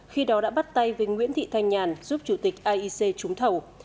khi đó đã bắt tay với nguyễn thị thanh nhàn giúp chủ tịch iec trúng thầu